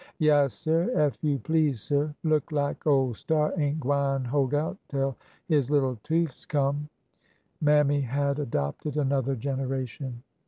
"Yaassir; ef you please, sir. Look lak ole Star ain't gwine hold out tell his little toofies come." Mammy had adopted another generation.